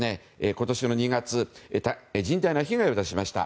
今年２月甚大な被害を出しました。